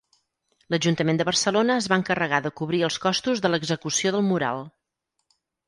L'Ajuntament de Barcelona es va encarregar de cobrir els costos de l'execució del mural.